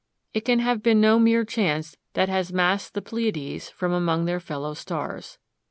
It can have been no mere chance that has massed the Pleiades from among their fellow stars.